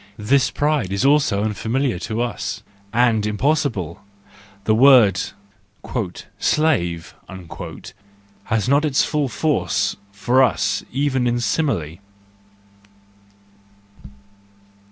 This pride is also unfamiliar to us, and impossible; the word " slave " has not its full force for us even in simile.